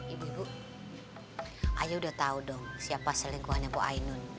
ibu ibu ayo udah tahu dong siapa selingkuhannya bu ainun